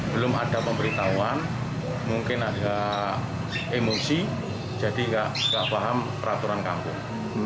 belum ada pemberitahuan mungkin ada emosi jadi nggak paham peraturan kampung